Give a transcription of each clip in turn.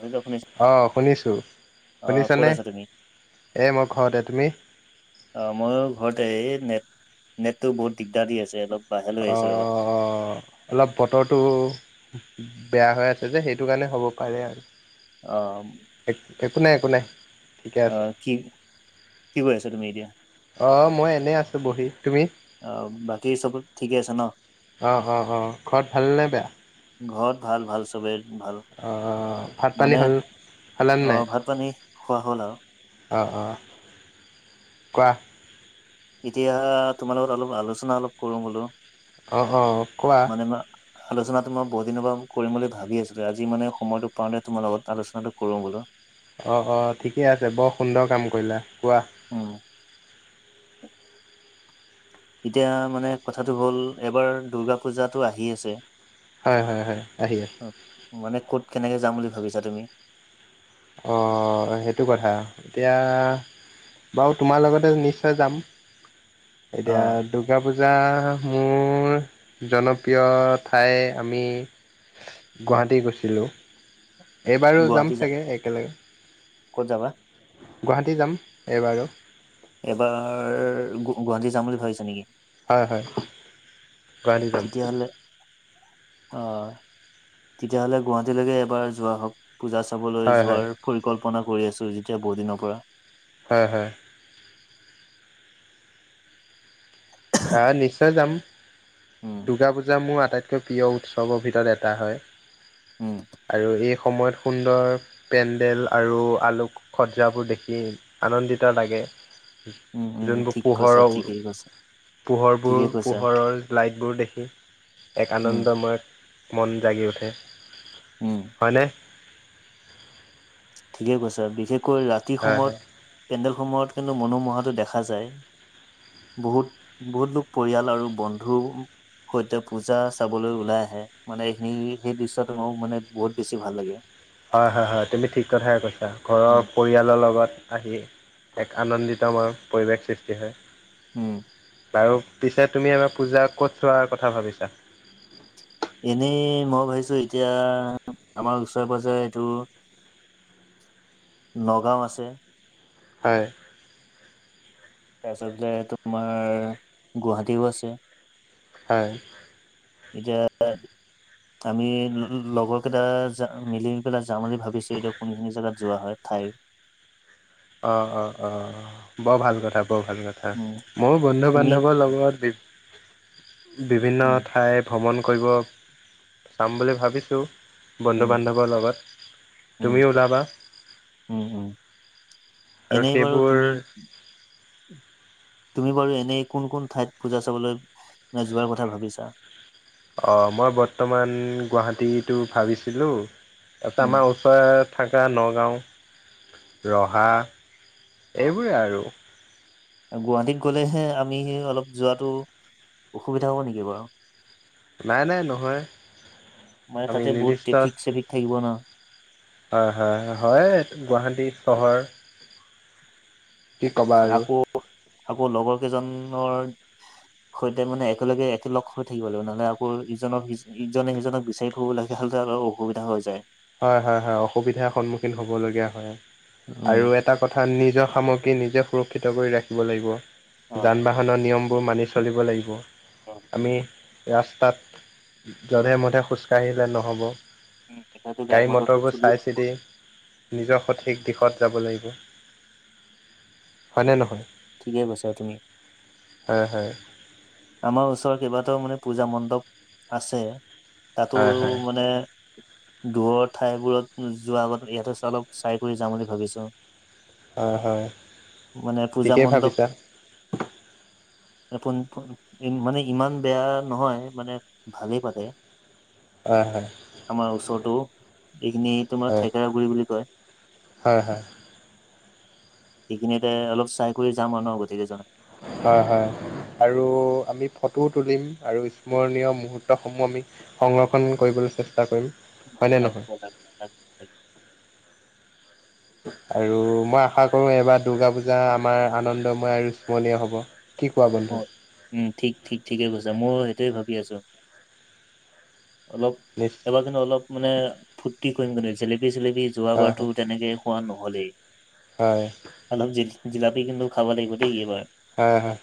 শুনিছোঁ শুনিছোঁ অঁ শুনিছোঁ অ' ক'ত শুনিছানে। আছা তুমি? এই মই ঘৰতে তুমি। অ ময়ো ঘৰতে নেট নেটটো বহুত দিগদাৰ দি আছে অলপ। বাহিৰলৈ অ আহিছোঁ ৰ'বা। অলপ বতৰটো। বেয়া হৈ আছে যে সেইটো কাৰণে হ'ব পাৰে আৰু অহ একো নাই একো নাই ঠিকে আছে। আহ কি কি কৰি আছা তুমি এতিয়া অ মই এনে আছো বহি তুমি। অ বাকী চব ঠিকে আছে ন অঁ অঁ অঁ ঘৰত ভাল নে বেয়া? ঘৰত ভাল ভাল চবে ভাত পানী হ'ল খালা নে নাই? অ' ভাত পানী খোৱা হ'ল আৰু। অঁ অঁ কোৱা এতিয়া তোমাৰ লগত অলপ আলোচনা অলপ কৰো বোলো। অঁ অঁ কোৱা। মানে মই আলোচনাটো মই বহুত দিনৰ পৰা কৰিম বুলি ভাবি আছিলো আজি মানে সময়টোৰ পাওতে তোমাৰ লগত আলোচনাটো কৰো বোলো। অঁ অঁ ঠিকে আছে বৰ সুন্দৰ কাম কৰিলা কোৱা উম, এতিয়া মানে কথাটো হ'ল এবাৰ দুৰ্গা পূজাতটো আহি আছে। হয় হয় হয় আহিয়া কেনেকৈ যাম বুলি ভাবিছা তুমি। অঁ সেইটো কথা এতিয়া। বাৰু তোমাৰ লগতে নিশ্চয় যাম অ এতিয়া দুৰ্গা পূজ- জা মোৰ জনপ্ৰিয় ঠাই আমি গুৱাহাটী গৈছিলোঁ এইবাৰো যাম গুৱাহাটী যা চাগে একেলগে ক'ত যাবা? গুৱাহাটী যাম এবাৰো এবাৰ গুৱাহাটী যাম বুলি ভাবিছ নেকি? হয় হয় গুৱাহাটী যাম। তেতিয়াহ'লে অ তেতিয়া হ'লে গুৱাহাটীলৈকে এবাৰ যোৱা হওক। পূজা চাবলৈ হয় হয় যোৱাৰ পৰিকল্পনা কৰি আছো যেতিয়া বহু দিনৰ পৰা। হয় হয়। আহ নিশ্চয় যাম। উম দুৰ্গা পূজা মোৰ আটাইতকৈ প্ৰিয় উৎসৱৰ ভিতৰত এটা হয়। উম আৰু এই সময়ত সুন্দৰ পেণ্ডেল আৰু আলুক সজ্জাবোৰ দেখি আনন্দিত লাগে। উম উম যোনবোৰ ঠিক কৈছা পোহৰৰ ঠিকেই কৈছা পোহৰবোৰ ঠিকেই কৈছা পোহৰৰ লাইটবোৰ দেখি এক উম আনন্দময় মন জাগি উম হয়নে? ঠিকে কৈছা বিশেষকৈ ৰাতি হয় হয় সময়ত পেণ্ডেল সমূহত কিন্তু মনোমোহাটো দেখা যায়। বহুত বহুত লোক পৰিয়াল আৰু বন্ধু সৈতে পূজা চাবলৈ ওলাই আহে মানে এইখিনি সেই দৃশ্যটো মোক মানে বহুত বেছি ভাল লাগে। হয় হয় হয় তুমি ঠিক কথাই কৈছা। ঘৰৰ উম পৰিয়ালৰ লগত আহি এক আনন্দিত আমাৰ পৰিৱেশ সৃষ্টি হয়। উম বাৰু পিছে তুমি এবাৰ পূজা ক'ত চোৱাৰ কথা ভাবিছা? এনেই মই ভাবিছো এতিয়া আমাৰ ওচৰে পাঁজৰে এইটো নগাঁও আছে। হয়। তাৰপিছত তোমাৰ গুৱাহাটীও আছে। হয়। এতিয়া আমি লগৰ কেইটা মিলি পেলাই যাম বুলি ভাবিছোঁ এতিয়া কোনখিনি জেগাত যোৱা হয় ঠাই। অ অ অ বৰ ভাল কথা। বৰ ভাল কথা উম ময়ো বন্ধু তুমি বান্ধৱৰ লগত বিভ- বিভিন্ন উম ঠাই ভ্ৰমণ কৰিব যাম বুলি ভাবিছোঁ। বন্ধু উম বান্ধৱৰ লগত উম তুমিও ওলাবা। উম উম আৰু এনেই বাৰু সেইবোৰ তুমি তুমি বাৰু এনেই কোন কোন ঠাইত পূঁজা চাবলৈ যোৱাৰ কথা ভাবিছা। অ' মই বৰ্তমান গুৱাহাটীটো ভাবিছিলোঁ। তাৰপিছত উম। আমাৰ ওচৰৰ থাকা নগাঁও, ৰহা এইবোৰে আৰু গুৱাহাটীত গ'লেহে আমি অলপ যোৱাটো অসুবিধা হ'ব নেকি বাৰু? নাই নাই নহয় মানে আমি তাতে বহুত নিৰ্দিষ্ট ট্ৰেফিক চেফিক থাকিব ন। হয় হয় হয় গুৱাহাটী চহৰ। কি ক'বা আৰু। আকৌ আকৌ লগৰ কেইজনৰ সৈতে মানে একেলগে একেলগ হৈ থাকিব লাগিব নহ'লে আকৌ ইজনক সি ইজনে সিজনক বিচাৰি ফুৰিব লগীয়া হ'লেতো অসুবিধা হৈ যায়। হয় হয় হয় অসুবিধাৰ সন্মুখীন হ'ব লগীয়া হয়। উম। আৰু এটা কথা নিজৰ সামগ্ৰী নিজে সুৰক্ষিত কৰি ৰাখিব লাগিব। যান বাহনৰ নিয়মবোৰ মানি চলিব লাগিব। আমি ৰাস্তাত য'ধে মধে খোজকাঢ়িলে নহ'ব। উ গাড়ী মটৰবোৰ চাই চিটি নিজৰ সঠিক দিশত যাব লাগিব। হয়নে নহয়? ঠিকেই কৈছা তুমি। হয় হয় আমাৰ ওচৰৰত কেইবাটাও মানে পূঁজা মণ্ডপ আছে। তাতো হয় হয় মানে দূৰৰ ঠাইবোৰত যোৱাৰ আগত ইয়াতে অলপ চাই কৰি যাম বুলি ভাবিছোঁ আও। হয় হয় মানে পূজা ঠিকেই মণ্ডপ। ভাবিছা [unintelligible] মানে ইমান বেয়া নহয় মানে ভালেই পাতে। হয় হয় আমাৰ ওচৰতো। এইখিনি তোমাৰ হয় থেকেৰা গুৰি বুলি কয়। হয় হয় সেইখিনিতে অলপ চাই কৰি যাম আৰু গতিকেইজন। হয় হয়। আৰু আমি ফটোও তুলিম আৰু স্মৰণীয় মুহূৰ্তসমূহ আমি সংৰক্ষণ কৰিবলৈ। চেষ্টা কৰিম। হয়নে লাগিব নহয় লাগ ল। আৰু মই আশা কৰো এইবাৰ দুৰ্গা পূজা আমাৰ আনন্দময় আৰু স্মৰণীয় হব। কি কোৱা অ বন্ধু উম ঠিক ঠিক ঠিকে কৈছা মই সেইটোৱে ভাবি আছো। অলপ নিচ এবাৰ কিন্তু অলপ মানে ফূৰ্তি কৰিম মানে। [unintelligible] জেলেবি চেলেপি হয় যোৱাবাৰতো হয় তেনেকে খোৱা নহলেই হয় আনক যি। জিলাপি কিন্তু খাব লাগিব দেই এইবাৰ? অ হ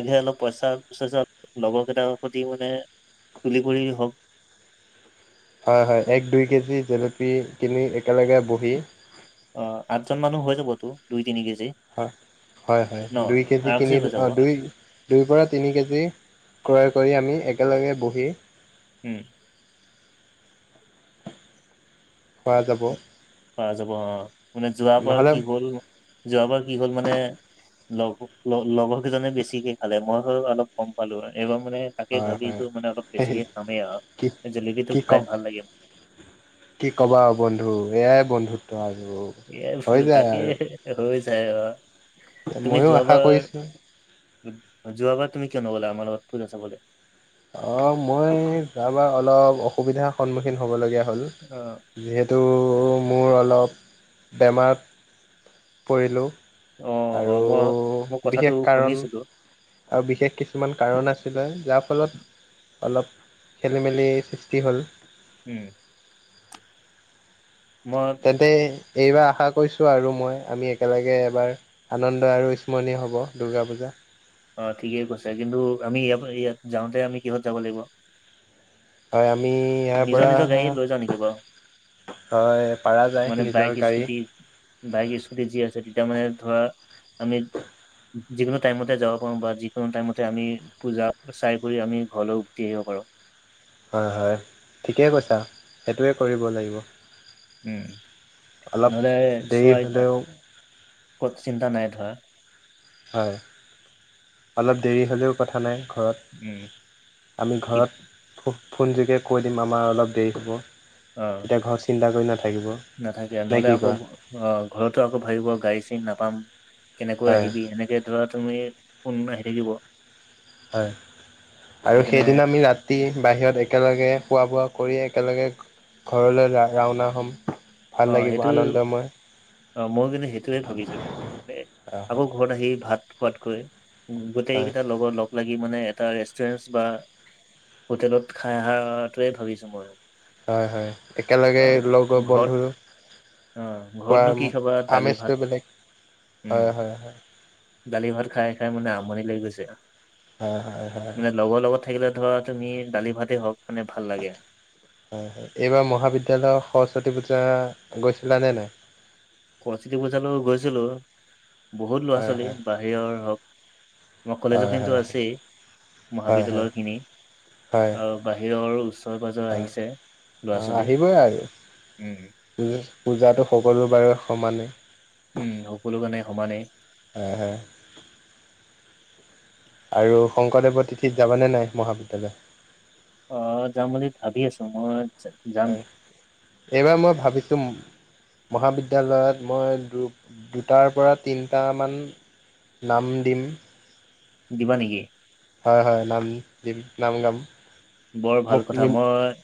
আজিহে অলপ। পইচাচ লগৰ কেইটাৰ প্ৰতি মানে তুলি কৰি হওক। [unintelligible] হয় হয় এক দুই কেজি জেলেপি কিনি একেলগে বহি। অ আঠজন মানুহ হৈ যাবতো দুই। তিনি কেজি হয় হয় হয় ন দুই কেজি আৰামছে কিনি হৈ যাব অঁ দুই দুই পৰা তিনি কেজি ক্ৰয়। কৰি আমি একেলগে বহি। উম খোৱা যাব পাৰা যাব অ মানে যোৱাবাৰ নহ'লে কি হ'ল যোৱাবাৰ কি হ'ল মানে। লগ লগৰ কেইজনে বেছিকে খালে মই হয় অলপ গম পালো এই। মানে তাকে হয় ভাবিছো মানে অলপ হয় বেছিকে খামেই কি আৰু জেলেবিটো কি কম খাই ভাল লাগে। কি ক'বা আৰু বন্ধু এয়াই বন্ধুত্ব আৰু। এই হৈ বন্ধু যায় তাকে আৰু হৈ যায় অ। তুমি ময়ো আশা যোৱাবাৰ কৰিছো। যোৱাবাৰ তুমি কিয় নগ'লা আমাৰ লগত পুজা চাবলে। অ মই যোৱা বাৰ অলপ অসুবিধাৰ সন্মুখীন হবলগীয়া। হ'ল অ যিহেতু। ত মোৰ অলপ বেমাৰ পৰিলোঁ? অ অ আৰু মই মই কথাটো বিশেষ কাৰণ। শুনিছিলো আৰু বিশেষ কিছুমান কাৰণ আছিলে যাৰ ফলত। অলপ খেলি মেলি সৃষ্টি হ'ল। উম মই তেন্তে। এইবাৰ আশা কৰিছোঁ আৰু মই আমি একেলগে এবাৰ আনন্দ আৰু স্মৰণীয় হ'ব দুৰ্গা পূজা। অ ঠিকেই কৈছে কিন্তু আমি ইয় ইয়াত যাওঁতে আমি কিহত যাব লাগিব? হয় আমি ইয়াৰ নিজৰ পৰা। নিজৰ গাড়ী লৈ যাওঁ নেকি বাৰু হয় পাৰা যায় মানে বাইক নিজৰ গাড়ী। স্কুটি বাইক স্কুটি যি আছে তেতিয়া মানে ধৰা আমি। যিকোনো টাইমতে যাব পাৰো বা যিকোনো টাইমতে আমি পূজা চাই কৰি আমি ঘৰলৈ উভতি আহিব পাৰো। হয় হয় ঠিকেই কৈছা সেইটোৱে কৰিব লাগিব? উম অলপ নহলে দেৰি চোৱা হ'লেও কত চিন্তা নাই ধৰা। হয় অলপ দেৰি হ'লেও কথা নাই। ঘৰত উম আমি কি ঘৰত ফোনযোগে কৈ দিম আমাৰ অলপ দেৰি হ'ব। অ তেতিয়া ঘৰ চিন্তা কৰি না। নাথাকে নহলে আকৌ অ ঘৰতো আকৌ ভাবিব গাড়ী চাৰি নাপাম। কেনেকৈ হয় আহিবি সেনেকে ধৰা তুমি কোন আহি থাকিব? হয় আৰু সেইকাৰণে সেইদিনা আমি ৰাতি বাহিৰত একেলগে খোৱা বোৱা কৰি একেলগে? ঘৰলৈ ৰাওনা হ'ম ভাল অ' লাগিব সেইটো আনন্দময়। অ মই কিন্তু সেইটোয়ে ভাবিছো হয় আকৌ হয় ঘৰত আহি ভাত। খোৱাতকৈ উ গোটেই হয়। কেইটা লগৰ লগ লাগি। মানে এটা ৰেষ্টুৰেন্ বা হোটেলত খাই অহা টোহে ভাবিছো ময়ো হয় হয় একেলগে লগৰ ঘৰত বন্ধু অ' ঘৰতনো কি খোৱাৰ খাবা দালি ভাত আমেজটো বেলেগ হয় হয় হয়। ডালি ভাত খাই খাই মানে আমনি লৈ গৈছে। হয় হয় হয় মানে লগৰ লগত থাকিলে ধৰা তুমি দালি ভাতেই হওক মানে ভাল লাগে। হয় হয়, এইবাৰ মহাবিদ্যালয়ৰ সৰস্বতী পূজা গৈছিলানে নাই? সৰস্বতী পূজালো গৈছিলো বহুত ল'ৰা হয় ছোৱালী হয় বাহিৰৰ হওক আমাৰ কলেজৰ হয় খিনিটো হয় আছেই হয় হয় মহাবিদ্যালয়ৰ খিনি হয় আহ বাহিৰৰ ওচৰ পাজৰ হয় আহিছে। ল'ৰা ছোৱালী আহিবই উম আৰু পূজাটো সকলোৰে বাবে সমানে উম সকলো কাৰণে সমানেই হয় হয় আৰু শংকৰদেৱৰ তিথিত যাবানে নাই মহাবিদ্যালয়? অ যাম বুলি ভাবি আছো মই যাম হয় এইবাৰ মই ভাবিছোঁ মহাবিদ্যালয়ত মই দুটাৰ পৰা তিনিটামান নাম দিম দিবা নেকি হয় হয় নাম দিম নাম গাম বৰ মোক ভাল কথা নিম মই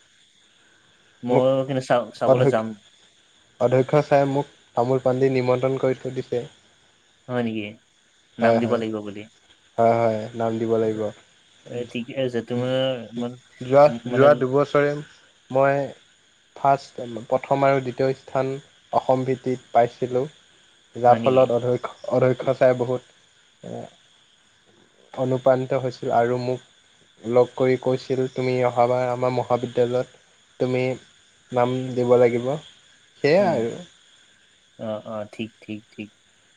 মোক মই কিন্তু চা অধ্য চাবলৈ যাম অধ্যক্ষ চাই মোক তামোল পাণ দি নিমন্ত্ৰণ গইট কৰি দিছে [unintelligible] হয় নেকি, নাম হয় দিব হয় লাগিব বুলি হয় হয় নাম দিব লাগিব। এ ঠিকে আছে তোমাৰ মান যোৱা মানে যোৱা দুবছৰে মই ফাৰ্ষ্ট প্ৰথম আৰু দ্বিতীয় স্থান অসম ভিত্তিত পাইছিলোঁ। যাৰ হয় নেকি ফলত অধ্যক্ষ অধ্যক্ষ চাৰে বহুত অনুপ্ৰাণিত হৈছিল আৰু মোক লগ কৰি কৈছিল তুমি অহাবাৰ আমাৰ মহাবিদ্যালয়ত তুমি নাম দিব লাগিব সেয়াই উম আৰু অ অ ঠিক ঠিক ঠিক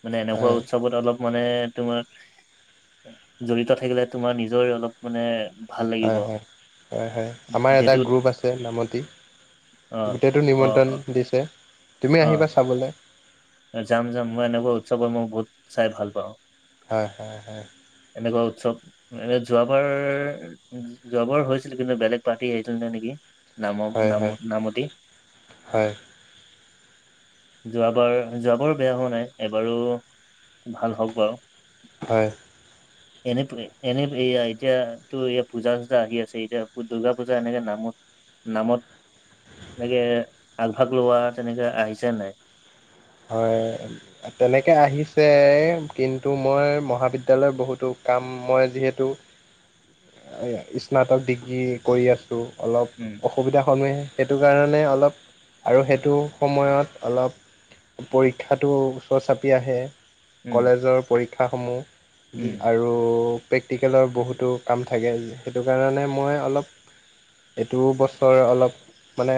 মানে এনেকুৱা হয় উৎসৱত অলপ মানে তোমাৰ জড়িত থাকিলে তোমাৰ নিজৰ অলপ মানে ভাল হয় লাগিব হয় হয় হয় আমাৰ এটা যিহেতু গ্ৰুপ আছে নামতি অ গোটেইটো অ অ নিমন্ত্ৰণ দিছে তুমি আহিবা অ চাবলে যাম যাম মই এনেকুৱা উৎসৱৰ মই বহুত চাই ভাল পাওঁ হয় হয় হয় চব এ যোৱাবাৰ যোৱাবাৰ হৈছিল কিন্তু বেলেগ পাৰ্টি আহিছিল নে নেকি নাম হয় নাম হয় নামতি যোৱাবাৰ। যোৱাবাৰো বেয়া হোৱা নাই এবাৰো ভাল হওক বাৰু হয় এনে এনে এ এতিয়াতো এ পূজা চুজা আহি আছে এতিয়া দুৰ্গা পূজা এনেকে নামত নামত এনেকে আগভাগ লোৱা তেনেকে আহিছে নাই? হয় তেনেকে আহিছে কিন্তু মই মহাবিদ্যালয় বহুতো কাম কাম মই যিহেতু [unintelligible] স্নাতক ডিগ্ৰী কৰি আছোঁ উম অলপ অসুবিধা হ'হেই সেইটো কাৰণে অলপ আৰু সেইটো সময়ত অলপ পৰীক্ষাটো ওচৰ চাপি আহে উম কলেজৰ উম পৰীক্ষাসমূহ আৰু প্ৰেক্টিকেলৰ বহুতো কাম থাকে সেইটো কাৰণে মই অলপ এইটো বছৰ অলপ মানে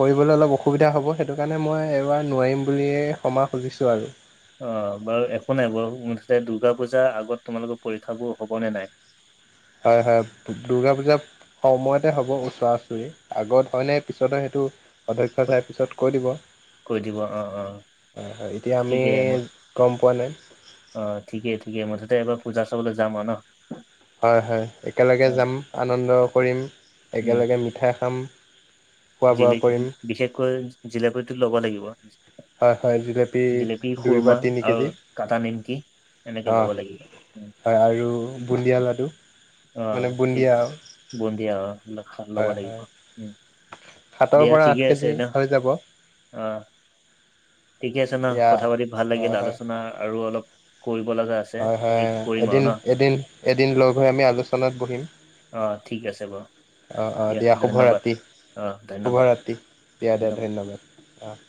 কৰিবলৈ অলপ অসুবিধা হ'ব সেইটো কাৰণে মই এবাৰ নোৱাৰিম বুলিয়েই ক্ষমা খুজিছো আৰু অ বাৰু একো নাই বাৰু মুঠতে দুৰ্গা পূজাৰ আগত তোমালোকৰ পৰীক্ষাবোৰ হ'বনে নাই? হয় -হয় দুৰ্গা পূজা সময়তে হ'ব ওচৰা- ওচৰি আগত হয় নে পিছত সেইটো প ক কৈ দিব অ অ [unintelligible] হয়- হয় এতিয়া আমি ঠিকেই মই গম পোৱা নাই। অ ঠিকে- ঠিকে মুঠতে এবাৰ পূজা চাবলে যাম ন ন হয়- হয় একেলগে যাম আনন্দ কৰিম একেলগে মিঠাই খাম। খোৱা জিল বোৱা কৰিম বিশেষকৈ জিলাপতিটো লব লাগিব। হয় হয় জিলপী জিলেপি দুই বা খুৰমা তিনি আৰু কেজি কাটা নিমকি এনেকে অঁ ল'ব লাগিব উম, হয় আৰু বুন্দিয়া লাডু। অ মানে এই বুন্দিয়া। বুন্দিয়া অ ল'ব হয় লাগিব হয় উম। সাতৰ দিয়া পৰা আঠ ঠিকে আছে কেজি ন হৈ যাব অ ঠিকে আছে ন দিয়া কথা পাতি ভাল লাগিল হয় হয় আলোচনা আৰু অলপ কৰিব লগা আছে হয় হয় এ কৰিম আৰু এদিন ন। এদিন এদিন লগ হৈ আমি আলোচনাত বহিম অ ঠিক আছে বাৰ অঁ অঁ দিয়া শুভ ৰাতি শুভ ধন্যবাদ ৰাতি। দিয়া- দিয়া ধন্যবাদ ধন্যবাদ অঁ।